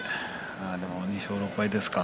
でも２勝６敗ですか。